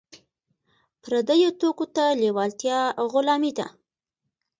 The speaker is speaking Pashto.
پردیو توکو ته لیوالتیا غلامي ده.